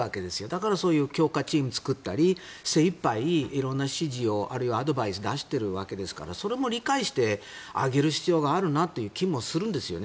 だからそういう強化チームを作ったり精いっぱい色んな指示アドバイスを出しているわけですからそれも理解してあげる必要があるなという気もするんですよ。